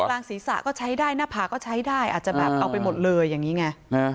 กลางศีรษะก็ใช้ได้หน้าผากก็ใช้ได้อาจจะแบบเอาไปหมดเลยอย่างนี้ไง